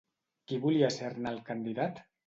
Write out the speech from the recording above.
Qui volia ser-ne el candidat?